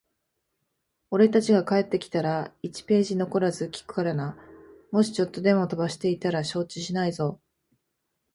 俺たちが帰ってきたら、一ページ残らず聞くからな。もしちょっとでも飛ばしていたら承知しないぞ。